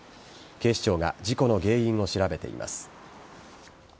警視庁が事故の原因を調べています。